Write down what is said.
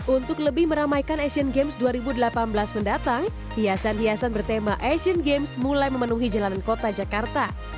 untuk lebih meramaikan asian games dua ribu delapan belas mendatang hiasan hiasan bertema asian games mulai memenuhi jalanan kota jakarta